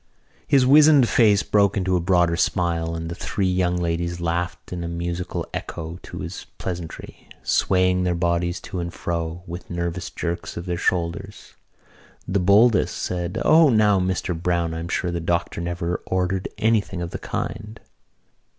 His wizened face broke into a broader smile, and the three young ladies laughed in musical echo to his pleasantry, swaying their bodies to and fro, with nervous jerks of their shoulders. The boldest said: "O, now, Mr Browne, I'm sure the doctor never ordered anything of the kind."